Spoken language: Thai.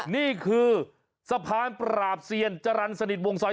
นี่คือสะพานปราบเซียนจรรย์สนิทวงซอย